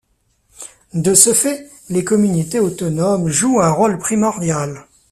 De ce fait, les communautés autonomes jouent un rôle primordial.